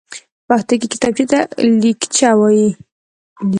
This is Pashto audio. په پښتو کې کتابچېته ليکچه وايي.